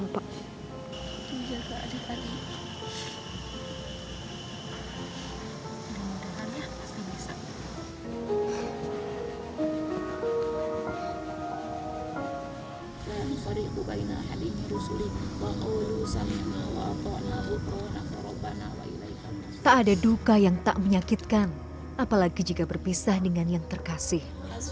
tak ada duka yang tak menyakitkan apalagi jika berpisah dengan yang terkasih